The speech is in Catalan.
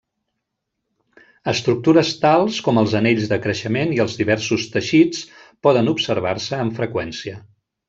Estructures tals com els anells de creixement i els diversos teixits poden observar-se amb freqüència.